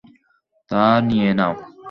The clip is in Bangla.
তা নিয়ে নাও।